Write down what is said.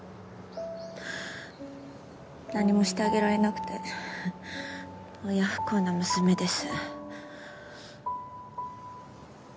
何もしてあげられなくて親不孝な娘です。